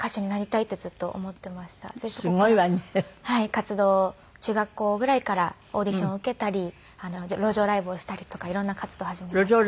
活動を中学校ぐらいからオーディションを受けたり路上ライブをしたりとか色んな活動始めました。